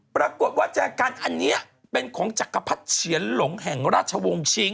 ปรากฏว่าแจกันอันนี้เป็นของจักรพรรดิเฉียนหลงแห่งราชวงศ์ชิง